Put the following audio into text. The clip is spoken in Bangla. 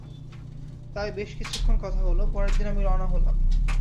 তাই, বেশ কিছুক্ষণ কথা হল, পরের দিন আমি রওয়ানা হলাম।